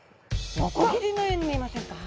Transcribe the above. ノコギリのように見えませんか？